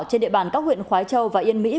trên địa bàn các huyện khói châu và yên mỹ